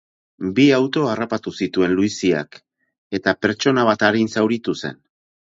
Bi auto harrapatu zituen luiziak, eta pertsona bat arin zauritu zen.